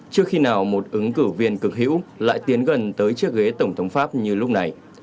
trước khi nào một ứng cử viên cực hữu lại tiến gần tới chiếc ghế tổng thống pháp như lúc này